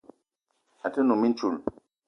A te num mintchoul